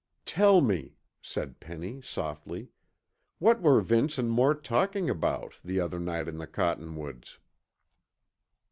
"Tell me," said Penny softly, "what were Vince and Mort talking about, the other night in the cottonwoods?"